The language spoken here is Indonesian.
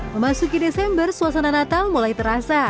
memasuki desember suasana natal mulai terasa